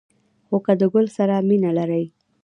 خو که د گل سره مینه لرئ